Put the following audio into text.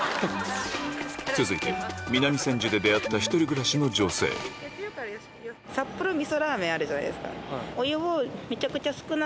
続いて南千住で出会った１人暮らしの女性あるじゃないですか。